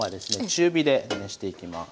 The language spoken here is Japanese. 中火で熱していきます。